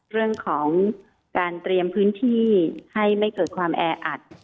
เรื่องของการเตรียมพื้นที่ให้ไม่เกิดความแออัด